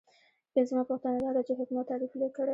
پنځمه پوښتنه دا ده چې حکومت تعریف کړئ.